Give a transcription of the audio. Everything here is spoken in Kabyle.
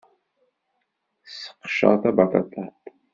Tesseqcer tabaṭaṭat.